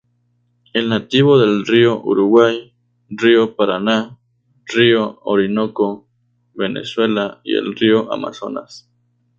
Es nativo del río Uruguay, río Paraná, río Orinoco, venezuela, y el río Amazonas.